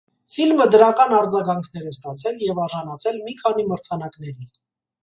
Ֆիլմը դրական արձագանքներ է ստացել և արժանացել մի քանի մրցանակների։